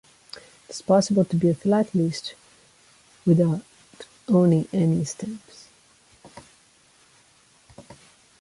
It is possible to be a philatelist without owning any stamps.